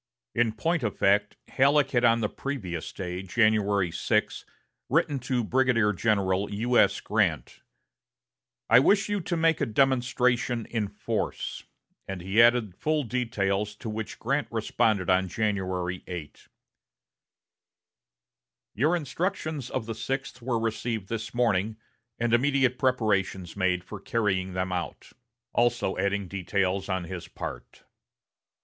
In point of fact, Halleck had on the previous day, January 6, written to Brigadier General U.S. Grant: "I wish you to make a demonstration in force": and he added full details, to which Grant responded on January 8: "Your instructions of the sixth were received this morning, and immediate preparations made for carrying them out"; also adding details on his part.